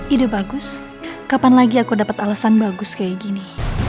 ide bagus kapan lagi aku dapat alasan bagus kayak gini